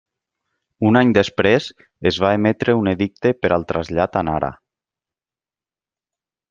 Un any després, es va emetre un edicte per al trasllat a Nara.